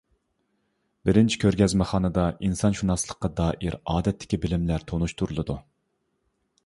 بىرىنچى كۆرگەزمىخانىدا ئىنسانشۇناسلىققا دائىر ئادەتتىكى بىلىملەر تونۇشتۇرۇلىدۇ.